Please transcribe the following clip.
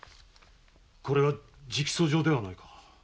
これは直訴状ではないか。